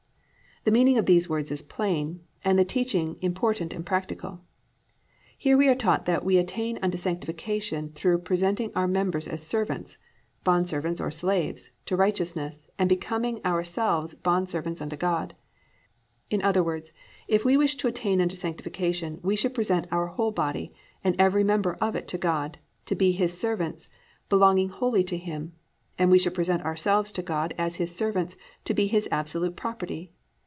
"+ The meaning of these words is plain, and the teaching important and practical. We are here taught that _we attain unto sanctification through presenting our members as servants (bondservants, or slaves) to righteousness and becoming ourselves bondservants unto God_. In other words, if we wish to attain unto sanctification we should present our whole body and every member of it to God, to be His servants, belonging wholly unto Him, and we should present ourselves to God as His servants, to be His absolute property.